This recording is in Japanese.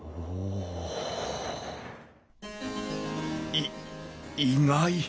い意外！